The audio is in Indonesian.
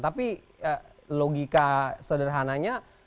tapi logika sederhananya